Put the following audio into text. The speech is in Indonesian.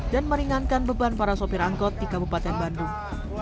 dan meringankan beban para sopir angkot di kabupaten bandung